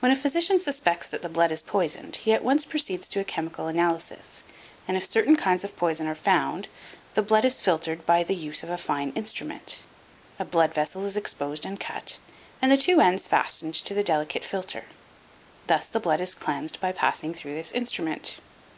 When a physician suspects that the blood is poisoned he at once proceeds to a chemical analysis, and if certain kinds of poison are found, the blood is filtered by the use of a fine instrument. A blood vessel is exposed and cut, and the two ends fastened to the delicate filter. Thus the blood is cleansed by passing through this instrument.